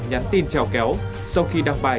nhắn tin trèo kéo sau khi đăng bài